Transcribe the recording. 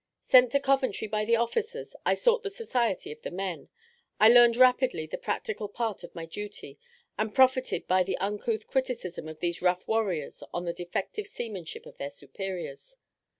Sent to Coventry by the officers, I sought the society of the men. I learned rapidly the practical part of my duty, and profited by the uncouth criticism of these rough warriors on the defective seamanship of their superiors.